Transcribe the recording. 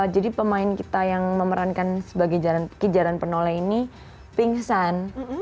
jadi pemain kita yang memerankan sebagai kejalan penolai ini pingsan